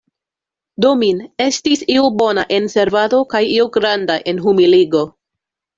Domin, estis io bona en servado kaj io granda en humiligo.